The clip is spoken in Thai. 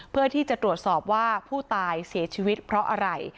เพื่อที่จะตรวจสอบว่าผู้ตายเสียชีวิตเพราะอะไร